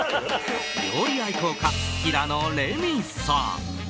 料理愛好家、平野レミさん。